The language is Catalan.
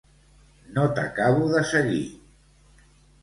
No t'acabo de seguir.